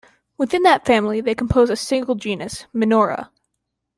Within that family they compose a single genus, "Menura".